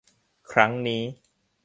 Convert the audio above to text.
ครั้งนี้